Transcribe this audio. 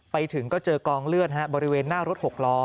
ไปถึงก็เจอกองเลือดบริเวณหน้ารถ๖ล้อ